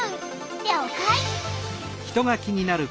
りょうかい！